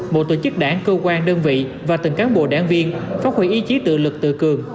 mỗi tổ chức đảng cơ quan đơn vị và từng cán bộ đảng viên phát huy ý chí tự lực tự cường